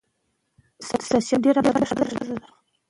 هغه ښځه چې زده کړه لري، اغېز لري.